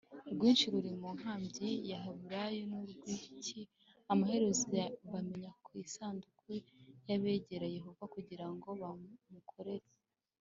Rwinshi ruri mu nkambi y abaheburayo ni urw iki amaherezo bamenya ko isanduku ya begera yehova kugira ngo bamukorere